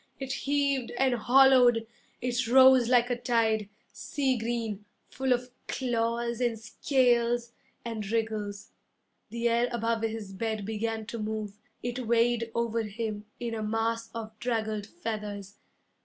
It heaved and hollowed, It rose like a tide, Sea green, Full of claws and scales And wriggles. The air above his bed began to move; It weighed over him In a mass of draggled feathers.